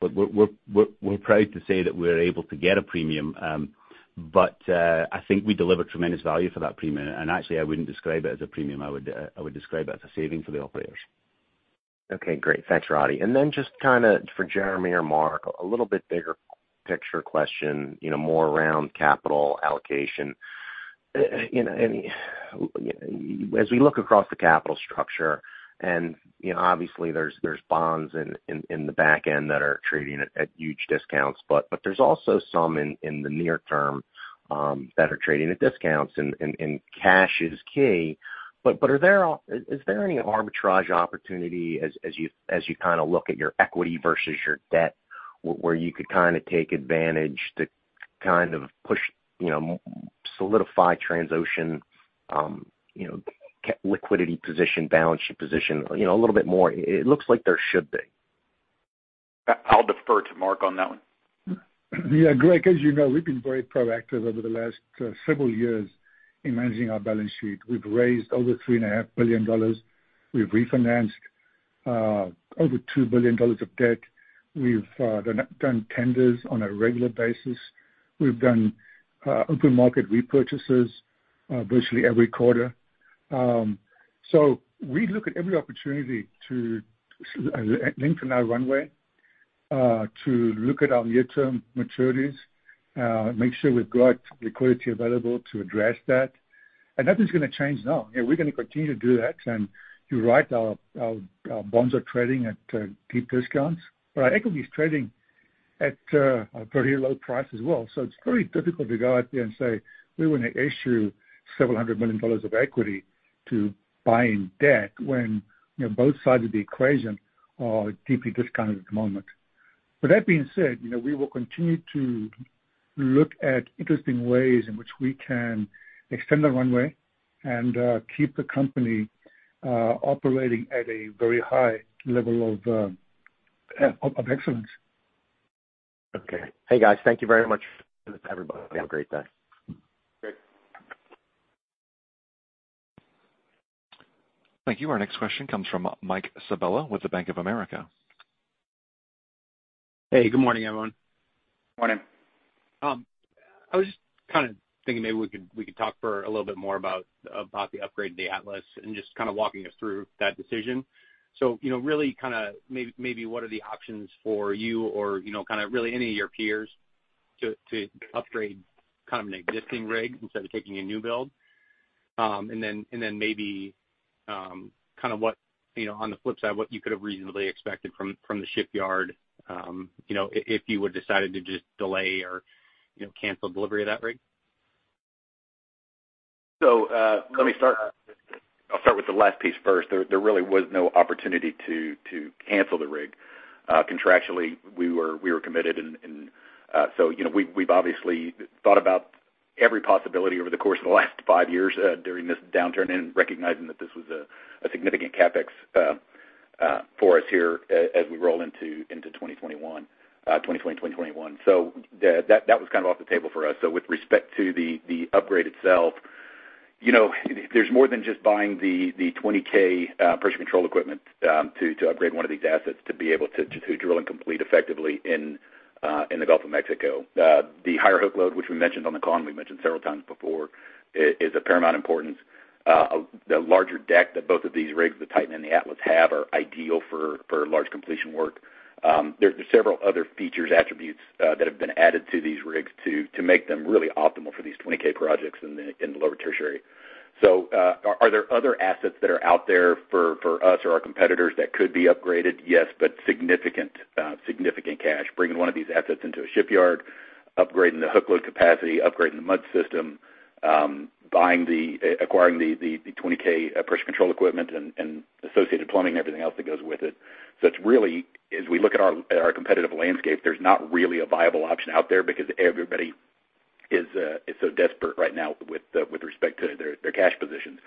Speaker 6: We're proud to say that we're able to get a premium. I think we deliver tremendous value for that premium. Actually, I wouldn't describe it as a premium. I would describe it as a saving for the operators.
Speaker 9: Okay, great. Thanks, Roddie. Just for Jeremy or Mark, a little bit bigger picture question, more around capital allocation. As we look across the capital structure, obviously there's bonds in the back end that are trading at huge discounts, there's also some in the near term that are trading at discounts, cash is key. Is there any arbitrage opportunity as you look at your equity versus your debt, where you could take advantage to solidify Transocean liquidity position, balance sheet position a little bit more? It looks like there should be.
Speaker 3: I'll defer to Mark on that one.
Speaker 4: Yeah, Greg, as you know, we've been very proactive over the last several years in managing our balance sheet. We've raised over $3.5 billion. We've refinanced over $2 billion of debt. We've done tenders on a regular basis. We've done open market repurchases virtually every quarter. We look at every opportunity to lengthen our runway, to look at our near-term maturities, make sure we've got liquidity available to address that. Nothing's going to change now. We're going to continue to do that. You're right, our bonds are trading at deep discounts, but our equity is trading at a very low price as well. It's very difficult to go out there and say we want to issue several hundred million dollars of equity to buying debt when both sides of the equation are deeply discounted at the moment. With that being said, we will continue to look at interesting ways in which we can extend the runway and keep the company operating at a very high level of excellence.
Speaker 9: Okay. Hey, guys, thank you very much. Have a great day.
Speaker 4: Great.
Speaker 1: Thank you. Our next question comes from Mike Sabella with the Bank of America.
Speaker 10: Hey, good morning, everyone.
Speaker 3: Morning.
Speaker 10: I was just thinking maybe we could talk for a little bit more about the upgrade to the Atlas and just walking us through that decision. Really maybe what are the options for you or really any of your peers to upgrade an existing rig instead of taking a newbuild? Maybe on the flip side, what you could have reasonably expected from the shipyard if you would've decided to just delay or cancel delivery of that rig?
Speaker 3: Let me start. I'll start with the last piece first. There really was no opportunity to cancel the rig. Contractually, we were committed and so we've obviously thought about every possibility over the course of the last five years during this downturn and recognizing that this was a significant CapEx for us here as we roll into 2021, 2020, 2021. That was off the table for us. With respect to the upgrade itself, there's more than just buying the 20,000 psi pressure control equipment to upgrade one of these assets to be able to drill and complete effectively in the Gulf of Mexico. The higher hook load, which we mentioned on the call, and we mentioned several times before, is of paramount importance. The larger deck that both of these rigs, the Titan and the Atlas have, are ideal for large completion work. There's several other features, attributes that have been added to these rigs to make them really optimal for these 20,000 psi projects in the Lower Tertiary. Are there other assets that are out there for us or our competitors that could be upgraded? Yes, significant cash. Bringing one of these assets into a shipyard, upgrading the hook load capacity, upgrading the mud system, acquiring the 20,000 psi pressure control equipment and associated plumbing, and everything else that goes with it. It's really, as we look at our competitive landscape, there's not really a viable option out there because everybody is so desperate right now with respect to their cash positions.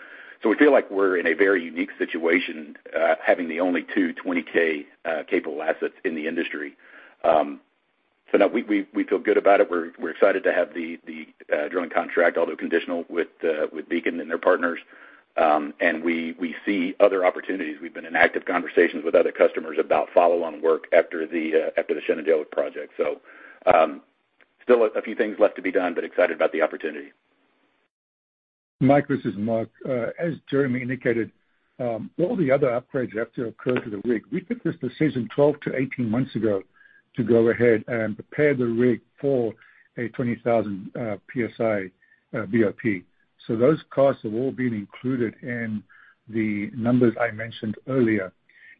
Speaker 3: We feel like we're in a very unique situation, having the only two 20,000 psi capable assets in the industry. No, we feel good about it. We're excited to have the drilling contract, although conditional, with Beacon and their partners. We see other opportunities. We've been in active conversations with other customers about follow-on work after the Shenandoah project. Still a few things left to be done, but excited about the opportunity.
Speaker 4: Mike, this is Mark. As Jeremy indicated, all the other upgrades have to occur to the rig. We put this decision 12-18 months ago to go ahead and prepare the rig for a 20,000 psi BOP. Those costs have all been included in the numbers I mentioned earlier.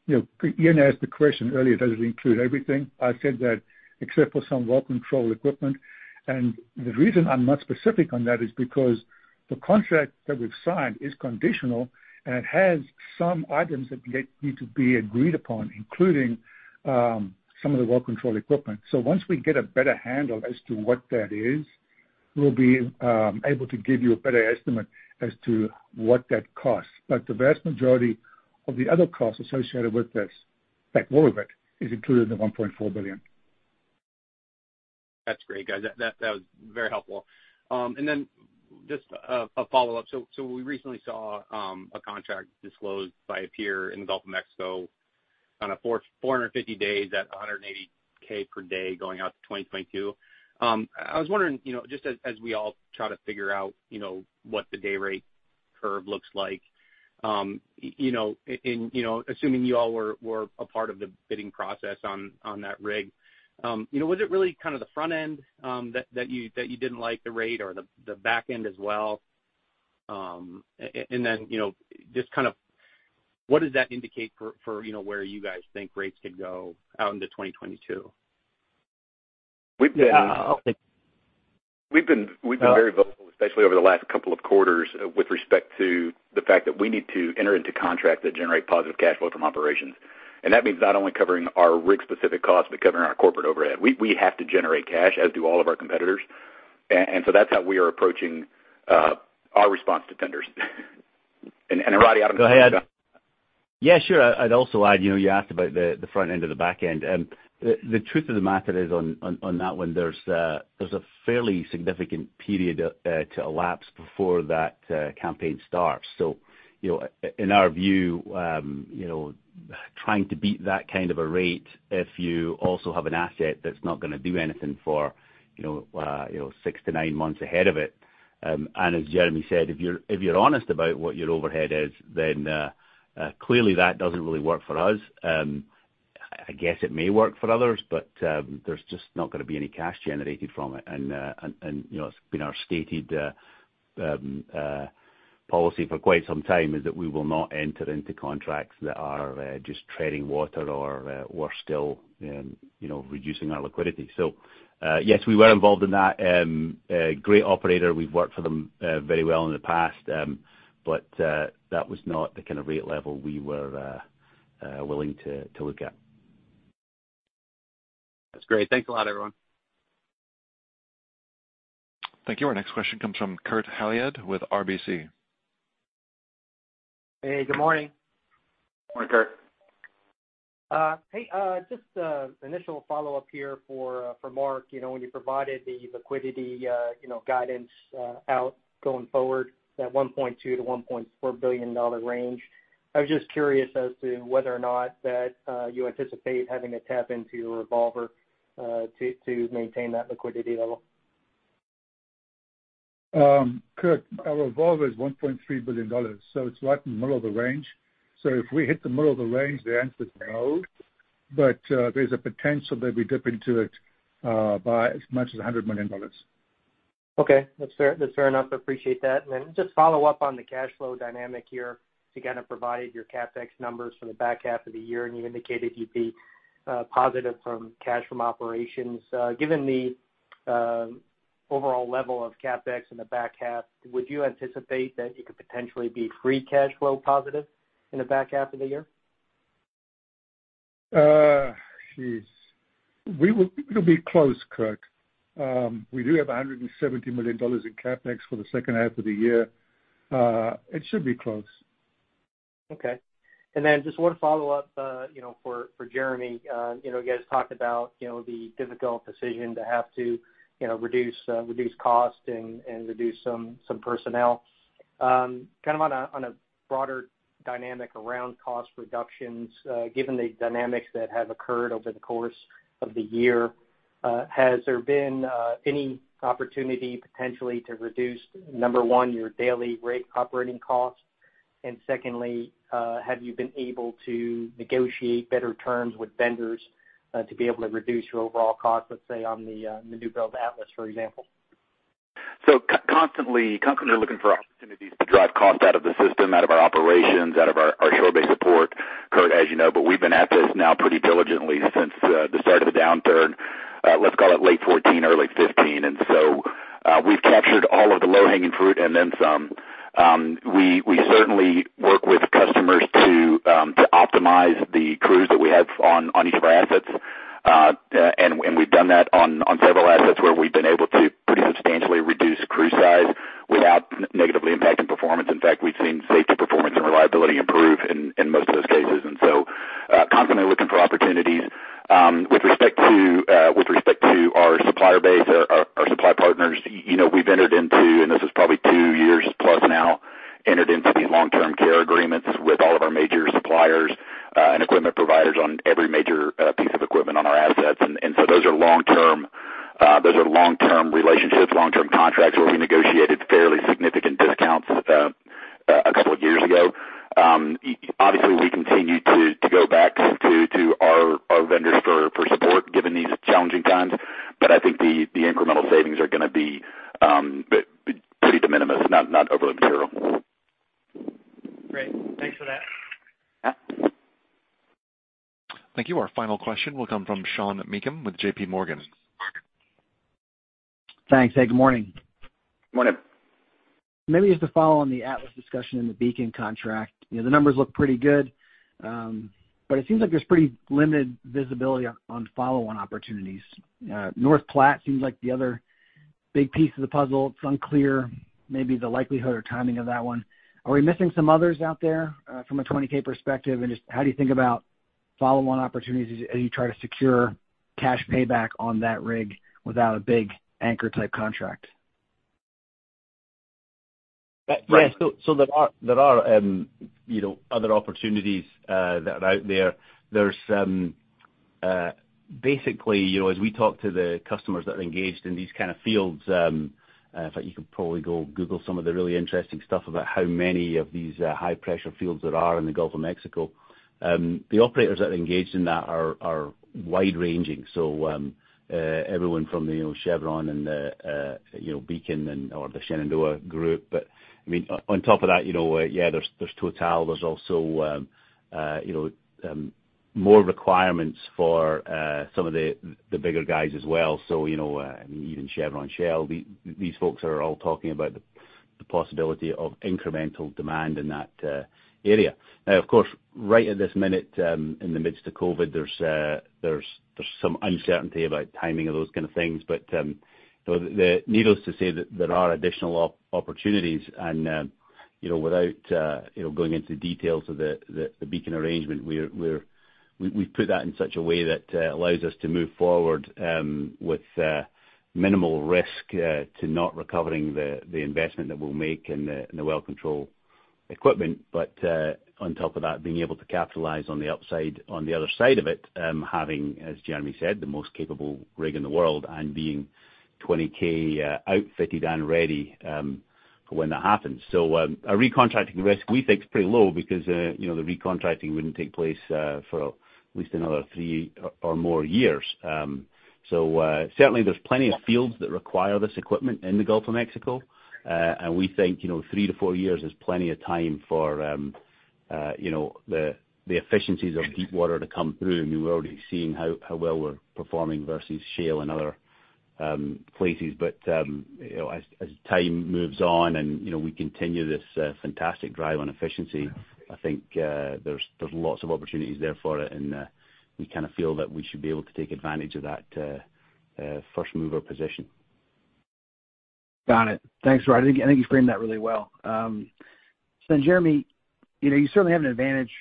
Speaker 4: Ian asked the question earlier, does it include everything? I said that except for some well control equipment. The reason I'm not specific on that is because the contract that we've signed is conditional and it has some items that yet need to be agreed upon, including some of the well control equipment. Once we get a better handle as to what that is, we'll be able to give you a better estimate as to what that costs. The vast majority of the other costs associated with this, in fact, all of it, is included in the $1.4 billion.
Speaker 10: That's great, guys. That was very helpful. Just a follow-up. We recently saw a contract disclosed by a peer in the Gulf of Mexico, 450 days at $180,000 per day going out to 2022. I was wondering, just as we all try to figure out what the day rate curve looks like, assuming you all were a part of the bidding process on that rig, was it really the front end that you didn't like the rate or the back end as well? Just what does that indicate for where you guys think rates could go out into 2022?
Speaker 3: We've been-
Speaker 6: Yeah, I'll take-
Speaker 3: We've been very vocal, especially over the last couple of quarters, with respect to the fact that we need to enter into contracts that generate positive cash flow from operations. That means not only covering our rig-specific costs, but covering our corporate overhead. We have to generate cash, as do all of our competitors. That's how we are approaching our response to tenders. Roddie, I don't know if you want to. Go ahead.
Speaker 6: Yeah, sure. I'd also add, you asked about the front end or the back end. The truth of the matter is, on that one, there's a fairly significant period to elapse before that campaign starts. In our view, trying to beat that kind of a rate, if you also have an asset that's not going to do anything for six to nine months ahead of it. As Jeremy said, if you're honest about what your overhead is, then clearly that doesn't really work for us. I guess it may work for others, but there's just not going to be any cash generated from it. It's been our stated policy for quite some time, is that we will not enter into contracts that are just treading water or still reducing our liquidity. Yes, we were involved in that. Great operator. We've worked for them very well in the past. That was not the kind of rate level we were willing to look at.
Speaker 10: That's great. Thanks a lot, everyone.
Speaker 1: Thank you. Our next question comes from Kurt Hallead with RBC.
Speaker 11: Hey, good morning.
Speaker 3: Morning, Kurt.
Speaker 11: Hey, just initial follow-up here for Mark. When you provided the liquidity guidance out going forward, that $1.2 billion-$1.4 billion range, I was just curious as to whether or not that you anticipate having to tap into your revolver to maintain that liquidity level?
Speaker 4: Kurt, our revolver is $1.3 billion. It's right in the middle of the range. If we hit the middle of the range, the answer is no. There's a potential that we dip into it by as much as $100 million.
Speaker 11: Okay, that's fair enough, appreciate that. Then just follow up on the cash flow dynamic here. You provided your CapEx numbers for the back half of the year, you indicated you'd be positive from cash from operations. Given the overall level of CapEx in the back half, would you anticipate that you could potentially be free cash flow positive in the back half of the year?
Speaker 4: Geez. We will be close, Kurt. We do have $170 million in CapEx for the second half of the year. It should be close.
Speaker 11: Okay. Just one follow-up, for Jeremy. You guys talked about the difficult decision to have to reduce cost and reduce some personnel. Kind of on a broader dynamic around cost reductions, given the dynamics that have occurred over the course of the year, has there been any opportunity potentially to reduce, number one, your day rate operating cost? Secondly, have you been able to negotiate better terms with vendors to be able to reduce your overall cost, let's say, on the newbuild Atlas, for example?
Speaker 3: Constantly looking for opportunities to drive cost out of the system, out of our operations, out of our shore-based support, Kurt, as you know. We've been at this now pretty diligently since the start of the downturn, let's call it late 2014, early 2015. We've captured all of the low-hanging fruit and then some. We certainly work with customers to optimize the crews that we have on each of our assets. We've done that on several assets where we've been able to pretty substantially reduce crew size without negatively impacting performance. In fact, we've seen safety, performance, and reliability improve in most of those cases. Constantly looking for opportunities. With respect to our supplier base, our supply partners, we've entered into, and this is probably two years plus now, entered into these long-term care agreements with all of our major suppliers and equipment providers on every major piece of equipment on our assets. Those are long-term relationships, long-term contracts where we negotiated fairly significant discounts a couple of years ago. Obviously, we continue to go back to our vendors for support, given these challenging times. I think the incremental savings are going to be pretty de minimis, not overly material.
Speaker 11: Great. Thanks for that.
Speaker 3: Yeah.
Speaker 1: Thank you. Our final question will come from Sean Meakim with JPMorgan.
Speaker 12: Thanks. Hey, good morning.
Speaker 3: Morning.
Speaker 12: Maybe just to follow on the Atlas discussion and the Beacon contract. The numbers look pretty good, it seems like there's pretty limited visibility on follow-on opportunities. North Platte seems like the other big piece of the puzzle. It's unclear, maybe the likelihood or timing of that one. Are we missing some others out there from a 20,000 psi perspective? Just how do you think about follow-on opportunities as you try to secure cash payback on that rig without a big anchor-type contract?
Speaker 6: Yes. There are other opportunities that are out there. Basically, as we talk to the customers that are engaged in these kind of fields, in fact, you can probably go Google some of the really interesting stuff about how many of these high-pressure fields there are in the Gulf of Mexico. The operators that are engaged in that are wide-ranging. Everyone from Chevron and Beacon or the Shenandoah group. On top of that, there's Total. There's also more requirements for some of the bigger guys as well. Even Chevron, Shell, these folks are all talking about the possibility of incremental demand in that area. Now, of course, right at this minute, in the midst of COVID, there's some uncertainty about timing of those kind of things. Needless to say, there are additional opportunities. Without going into details of the Beacon arrangement, we've put that in such a way that allows us to move forward with minimal risk to not recovering the investment that we'll make in the well control equipment. On top of that, being able to capitalize on the upside on the other side of it, having, as Jeremy said, the most capable rig in the world and being 20,000 psi outfitted and ready for when that happens. Our recontracting risk, we think, is pretty low because the recontracting wouldn't take place for at least another three or more years. Certainly there's plenty of fields that require this equipment in the Gulf of Mexico. We think three to four years is plenty of time for the efficiencies of deepwater to come through. We're already seeing how well we're performing versus shale and other places. As time moves on and we continue this fantastic drive on efficiency, I think there's lots of opportunities there for it. We kind of feel that we should be able to take advantage of that first-mover position.
Speaker 12: Got it. Thanks, Roddie. I think you framed that really well. Jeremy, you certainly have an advantage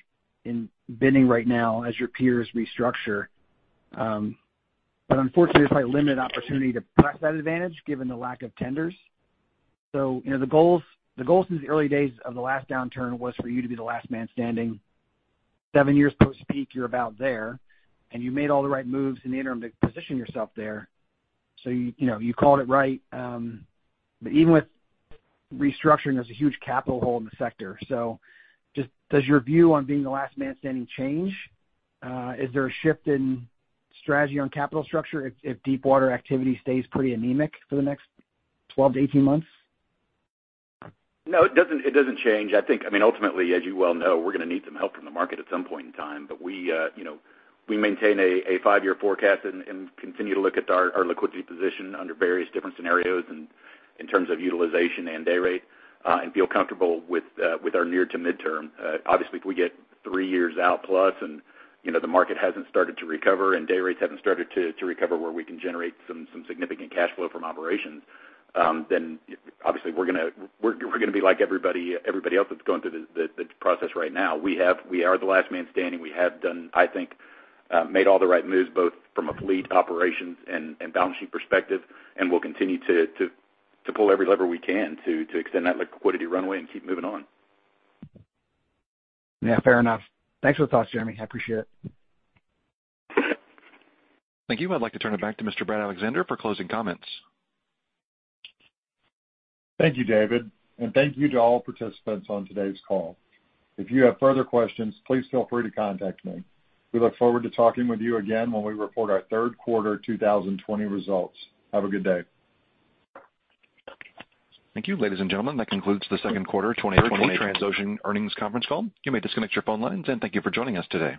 Speaker 12: in bidding right now as your peers restructure. Unfortunately, there's probably limited opportunity to press that advantage given the lack of tenders. The goal since the early days of the last downturn was for you to be the last man standing. Seven years post-peak, you're about there, and you made all the right moves in the interim to position yourself there. You called it right. Even with restructuring, there's a huge capital hole in the sector. Does your view on being the last man standing change? Is there a shift in strategy on capital structure if deepwater activity stays pretty anemic for the next 12-18 months?
Speaker 3: No, it doesn't change. Ultimately, as you well know, we're going to need some help from the market at some point in time. We maintain a five-year forecast and continue to look at our liquidity position under various different scenarios and in terms of utilization and day rate, and feel comfortable with our near to midterm. Obviously, if we get three years out plus and the market hasn't started to recover and day rates haven't started to recover where we can generate some significant cash flow from operations, then obviously we're going to be like everybody else that's going through this process right now. We are the last man standing. We have done, I think, made all the right moves, both from a fleet operations and balance sheet perspective, and we'll continue to pull every lever we can to extend that liquidity runway and keep moving on.
Speaker 12: Yeah, fair enough. Thanks for the thoughts, Jeremy. I appreciate it.
Speaker 1: Thank you. I'd like to turn it back to Mr. Brad Alexander for closing comments.
Speaker 2: Thank you, David, and thank you to all participants on today's call. If you have further questions, please feel free to contact me. We look forward to talking with you again when we report our third quarter 2020 results. Have a good day.
Speaker 1: Thank you, ladies and gentlemen. That concludes the second quarter 2020 Transocean earnings conference call. You may disconnect your phone lines, and thank you for joining us today.